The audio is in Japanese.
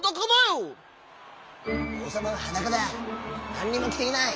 なんにもきていない」。